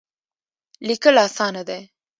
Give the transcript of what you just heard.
لیکل اسانه دی.